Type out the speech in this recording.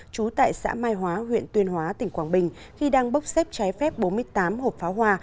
trú tại xã mai hóa huyện tuyên hóa tỉnh quảng bình khi đang bốc xếp trái phép bốn mươi tám hộp pháo hoa